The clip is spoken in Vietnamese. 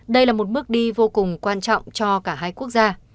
đây là một bước đi vô cùng quan trọng cho cả hai quốc gia